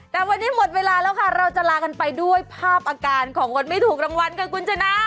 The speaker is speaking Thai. แต่วันนี้หมดเวลาแล้วค่ะเราจะลากันไปด้วยภาพอาการของคนไม่ถูกรางวัลค่ะคุณชนะ